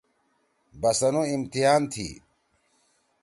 بسنُو امتحان تھی۔